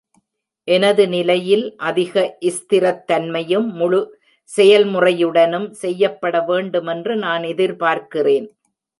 எனது நிலையில் அதிக ஸ்திரத்தன்மையும் முழு செயல்முறையுடனும் செய்யப்பட வேண்டுமென்று நான் எதிர்பார்க்கிறேன்.